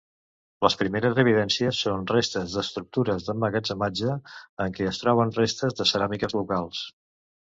Les primeres evidències són restes d'estructures d'emmagatzematge en què es troben restes de ceràmiques locals.